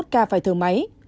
ba mươi một ca phải thở máy